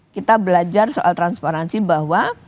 kita belajar soal transparansi bahwa